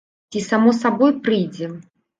Ці само сабой прыйдзе?